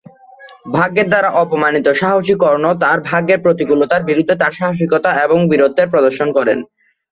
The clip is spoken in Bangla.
ভাগ্যের দ্বারা অপমানিত, সাহসী কর্ণ তার ভাগ্যের প্রতিকূলতার বিরুদ্ধে তার সাহসিকতা এবং বীরত্ব প্রদর্শন করেন।